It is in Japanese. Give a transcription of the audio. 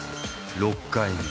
６回目。